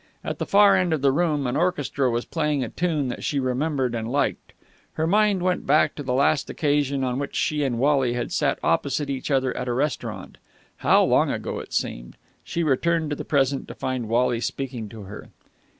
At the far end of the room an orchestra was playing a tune that she remembered and liked. Her mind went back to the last occasion on which she and Wally had sat opposite each other at a restaurant. How long ago it seemed! She returned to the present to find Wally speaking to her.